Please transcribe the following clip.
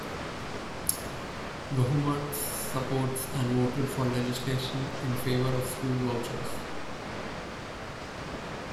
Gohmert supports and voted for legislation in favor of school vouchers.